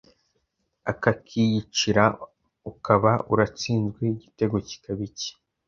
akakiyicira, ukaba uratsinzwe igitego kikaba icye